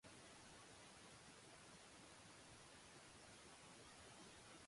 ページをめくる手は止まることはなく、表紙が閉じられることはなく